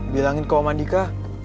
bilangin ke om adika